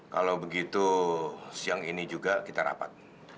kalau begitu siang ini juga kita rapat